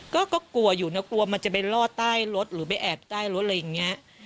ก็กลัวอยู่นะกลัวมันจะไปลอดใต้รถหรือไปแอบใต้รถอะไรอย่างนี้